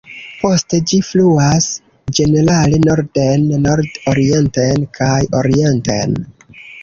Poste ĝi fluas ĝenerale norden, nord-orienten kaj orienten.